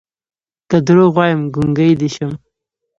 که دروغ وايم ګونګې دې شمه